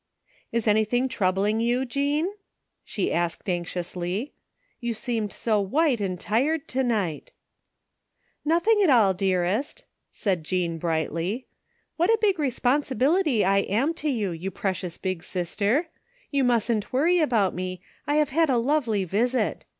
" Is anything troubling you, Jean? " she asked anxiously. " You seemed so white and tired to night ?"" Nothing at all, dearest," said Jean brighftly. " What a big responsibility I am to you, you precious big sister ! You mustn't worry about me, I have had a lovely visit.